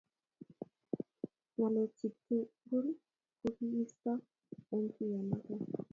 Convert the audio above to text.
Ngalekchi tugul ko kiisirto eng tuiyonoto